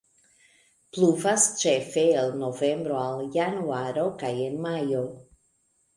Pluvas ĉefe el novembro al januaro kaj en majo.